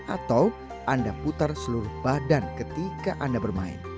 atau anda putar seluruh badan ketika anda bermain